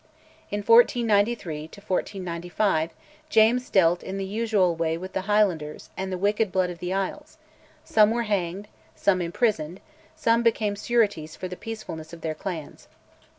In 1493 1495 James dealt in the usual way with the Highlanders and "the wicked blood of the Isles": some were hanged, some imprisoned, some became sureties for the peacefulness of their clans.